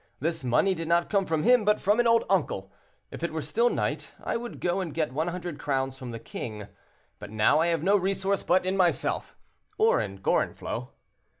This money did not come from him, but from an old uncle. If it were still night, I would go and get 100 crowns from the king; but now I have no resource but in myself or in Gorenflot."